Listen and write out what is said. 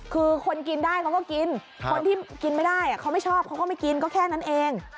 คือคนกินได้เขาก็กินคนที่กินไม่ได้เขาไม่ชอบเขาก็ไม่กินก็แค่นั้นเอง